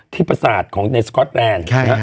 ประสาทของในสก๊อตแลนด์